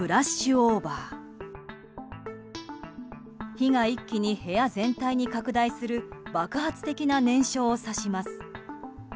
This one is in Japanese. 火が一気に部屋全体に拡大する爆発的な燃焼を指します。